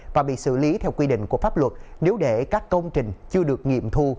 và bị xử lý theo quy định của pháp luật nếu để các công trình chưa được nghiệm thu